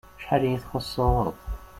Acḥal iyi-txuṣṣeḍ!